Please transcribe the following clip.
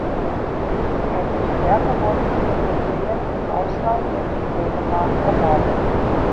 Ähnliche Werke wurden von Museen im Ausland und in Dänemark erworben.